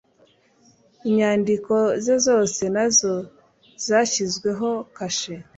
inyandiko ze zose nazo zashyizweho kashe